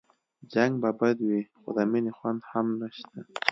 جنګ به بد وي خو د مينې خوند هم نشته